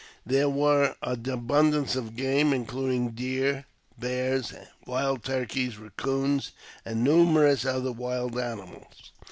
There was abundance of game, including deer, bears, wild turkey, raccoons, and numerous other wild animals.